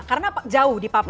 karena jauh di papua pertama